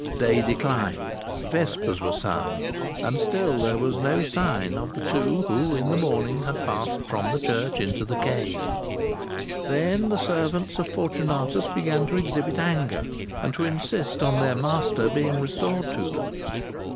Day declined, vespers were sung, and still there was no sign of the two who in the morning had passed from the church into the cave. Then the servants of Fortunatus began to exhibit anger, and to insist on their master being restored to them.